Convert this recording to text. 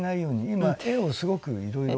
今絵をすごくいろいろ。